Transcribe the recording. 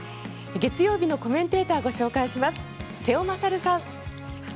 月曜日のコメンテーターをご紹介します。